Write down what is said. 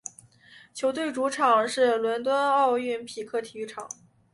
球队主场是伦敦奥林匹克体育场。